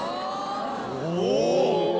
お！